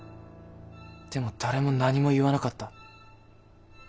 でも誰も何も言わなかった。